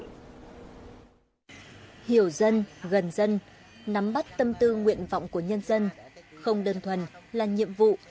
hiểu dân gần dân nắm bắt tâm tư nguyện vọng của nhân dân không đơn thuần là nhiệm vụ